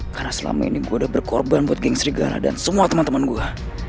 karena selama ini gue udah berkorban buat geng serigala dan semua temen temen gue